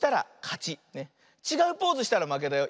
ちがうポーズしたらまけだよ。